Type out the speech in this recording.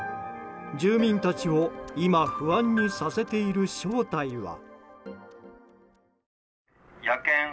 住民たちを今不安にさせている正体は。